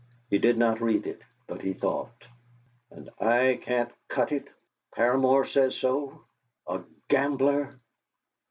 He did not read it, but he thought: '.nd I can't cut it! Paramor says so! A gambler!'